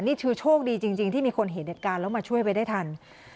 นี่คือโชคดีจริงที่มีคนเห็นเหตุการณ์แล้วมาช่วยไว้ได้ทัน